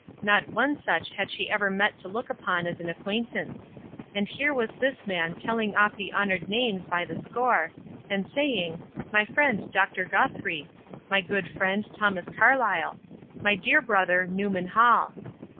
Not one such had she ever met to look upon as an acquaintance; and here was this man telling off the honored names by the score, and saying, "My friend, Dr. Guthrie" "My good friend, Thomas Carlyle" "My dear brother, Newman Hall."